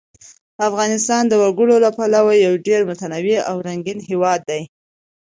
افغانستان د وګړي له پلوه یو ډېر متنوع او رنګین هېواد دی.